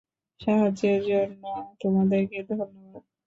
সাহায্যের জন্য তোমাদেরকে ধন্যবাদ।